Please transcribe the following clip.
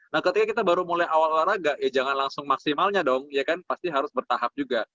nah ketika kita baru mulai awal olahraga ya jangan langsung maksimalnya dong ya kan pasti harus bertahap juga